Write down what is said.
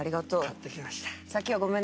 買ってきました。